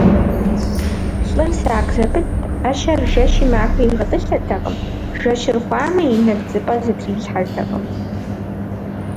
Лӏыр сакъ зэпытт: ӏэщэр жэщи махуи игъэтӏылъыртэкъым, жэщыр хъуамэ, и нэбдзыпэ зэтрилъхьэртэкъым.